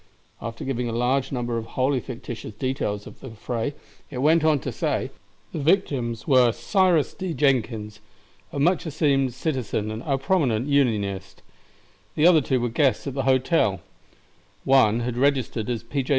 After giving a large number of wholly fictitious details of the fray, it went on to say: "The victims were Cyrus D. Jenkins, a much esteemed citizen and a prominent Unionist; the other two were guests at the hotel; one had registered as P. J.